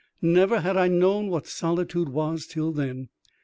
never had I known what solitude was till then.